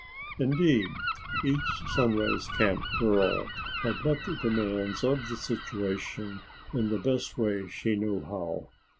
Indeed each Sunrise Camp girl had met the demands of the situation in the best way she knew how.